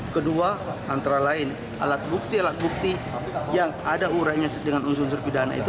kedua antara lain alat bukti alat bukti yang ada urainya dengan unsur unsur pidana itu